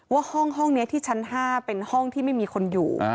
ว่าห้องนี้ที่ชั้น๕เป็นห้องที่ไม่มีคนอยู่